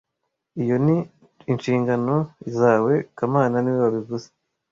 Iyo ni inshingano zawe kamana niwe wabivuze